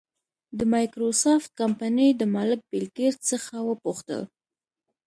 د مایکروسافټ کمپنۍ د مالک بېل ګېټس څخه وپوښتل.